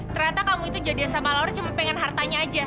ternyata kamu itu jadian sama lawar cuma pengen hartanya aja